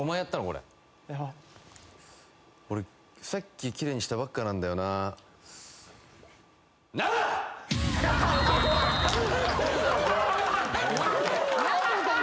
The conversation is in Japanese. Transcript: これ俺さっきキレイにしたばっかなんだよななあ！